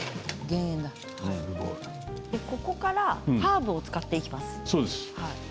ここからハーブを使っていきます。